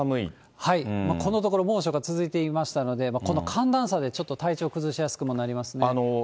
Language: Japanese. このところ、猛暑が続いていましたので、この寒暖差でちょっと体調崩しやすくもなりますね。